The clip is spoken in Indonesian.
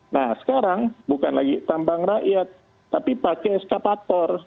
nah sekarang bukan lagi tambang rakyat tapi pakai eskapator